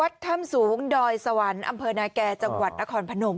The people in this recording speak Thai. ถ้ำสูงดอยสวรรค์อำเภอนาแก่จังหวัดนครพนม